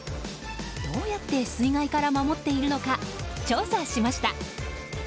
どうやって水害から守っているのか調査しました。